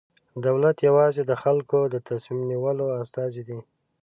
دولت یوازې د خلکو د تصمیم نیولو استازی دی.